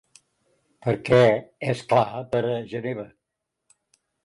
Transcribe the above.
Per què, és clar, per a Geneva.